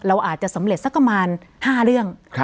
เราอาจจะสำเร็จสักประมาณ๕เรื่อง